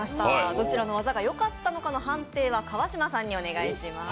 どちらの技がよかったかの判定は川島さんにお願いします。